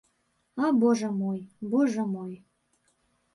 А божа мой, божа мой.